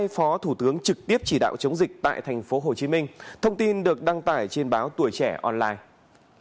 hai phó thủ tướng trực tiếp chỉ đạo chống dịch tại tp hcm thông tin được đăng tải trên báo tuổi trẻ online